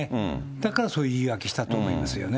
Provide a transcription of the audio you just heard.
だからそういう言い訳したと思いますよね。